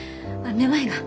めまいが。